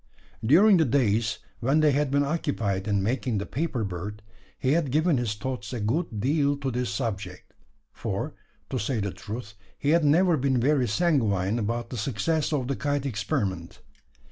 During the days when they had been occupied in making the paper bird, he had given his thoughts a good deal to this subject; for, to say the truth, he had never been very sanguine about the success of the kite experiment.